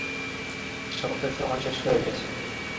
কৃষ্ণপক্ষের সময় শেষ হয়ে গেছে।